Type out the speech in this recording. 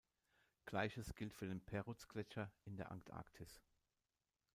Gleiches gilt für den Perutz-Gletscher in der Antarktis.